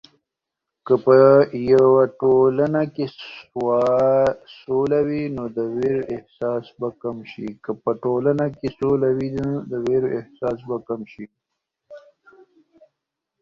که په ټولنه کې سوله وي، نو د ویر احساس به کم شي.